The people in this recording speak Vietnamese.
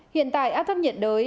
hiện tại áp thấp nhiệt đới